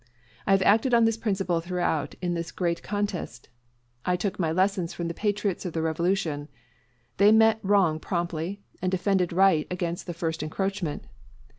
I have acted on this principle throughout in this great contest. I took my lessons from the patriots of the Revolution. They met wrong promptly, and defended right against the first encroachment.